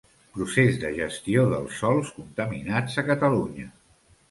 Procés de gestió dels sòls contaminats a Catalunya.